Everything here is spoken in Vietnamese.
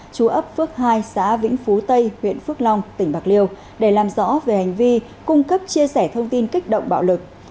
chú ấp phước hai xã vĩnh phú tây huyện phước long tỉnh bạc liêu để làm rõ về hành vi cung cấp chia sẻ thông tin kích động bạo lực